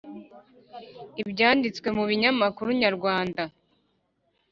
ibyanditswe mu binyamakuru nyarwanda